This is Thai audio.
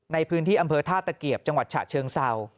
ในพื้นที่อำเภอท่าตะเกียบจังหวัดฉะเชิงเศร้า